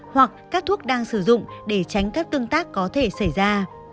hoặc các thuốc đang sử dụng để tránh các tương tác có thể xảy ra